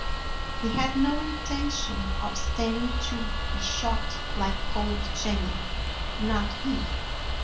He had no intention of standing to be shot like old Jemmy; not he.